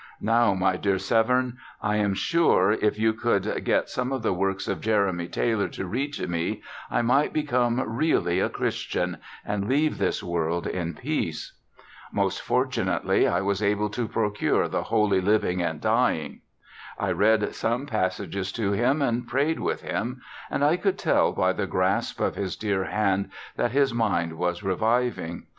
Now, my dear Severn, I am sure, if you could get some of the works of Jeremy Taylor to read to me, I might become really a Christian, and leave this world in peace." Most fortunately, I was able to procure the "Holy Living and Dying." I read some passages to him, and prayed with him, and I could tell by the grasp of his dear hand that his mind was reviving.